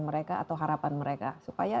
mereka atau harapan mereka supaya